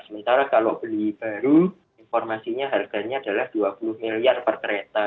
sementara kalau beli baru informasinya harganya adalah dua puluh miliar per kereta